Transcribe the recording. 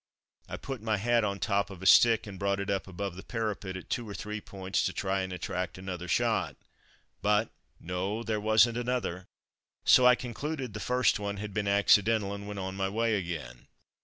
I put my hat on top of a stick and brought it up above the parapet at two or three points to try and attract another shot; but no, there wasn't another, so I concluded the first one had been accidental, and went on my way again.